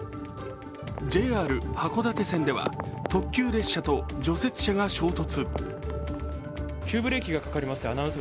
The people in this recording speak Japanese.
ＪＲ函館線では特急列車と除雪車が衝突。